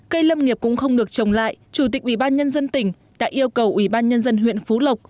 cây lâm nghiệp cũng không được trồng lại chủ tịch ủy ban nhân dân tỉnh đã yêu cầu ủy ban nhân dân huyện phú lộc